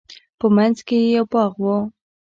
په منځ کښې يې يو باغ و.